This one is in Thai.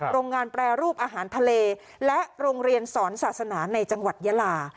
โรงงานแปรรูปอาหารทะเลและโรงเรียนสอนศาสนาในจังหวัดยาลา